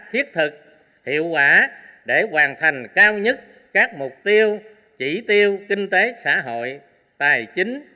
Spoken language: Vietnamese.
phát triển kinh tế xã hội các mục tiêu chỉ tiêu kinh tế xã hội tài chính